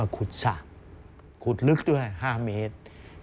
ขุดลึกด้วย๕เมตร